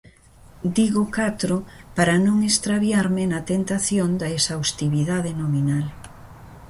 Digo catro para non extraviarme na tentación da exhaustividade nominal.